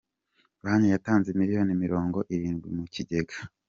Banki yatanze miliyoni Mirongo Irindwi mu kigega